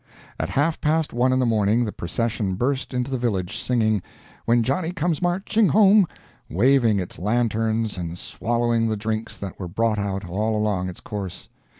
At half past one in the morning the procession burst into the village singing, "When Johnny Comes Marching Home," waving its lanterns, and swallowing the drinks that were brought out all along its course.